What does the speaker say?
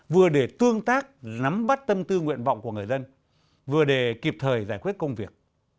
vừa để tương tác nắm bắt tâm tư nguyện vọng của người dân vừa để kịp thời giải quyết công việc